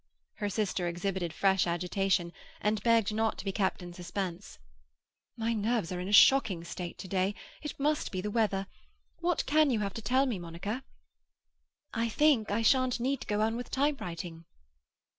Her sister exhibited fresh agitation, and begged not to be kept in suspense. "My nerves are in a shocking state to day. It must be the weather. What can you have to tell me, Monica?" "I think I shan't need to go on with typewriting."